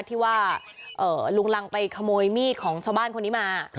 ที่ว่าลุงรังไปขโมยมีดของชาวบ้านคนนี้มา